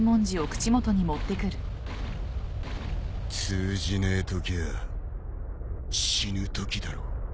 通じねえときゃあ死ぬときだろう。